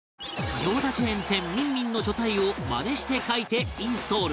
餃子チェーン店の書体をマネして書いてインストール